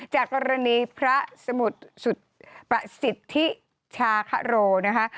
จากกรณีพระสมุทรสุประสิทธิชาคโรนะคะ